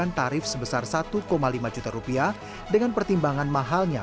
menunjukkan tarif sebesar rp satu lima juta dengan pertimbangan mahalnya